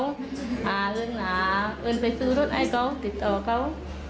เริ่มหารถไปซื้อรถให้เขาติดต่อกับเขา